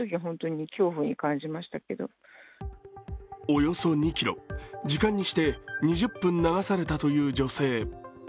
およそ２ｋｍ、時間にして２０分流されたという女性。